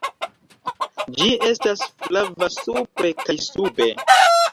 Ĝi estas flava supre kaj sube.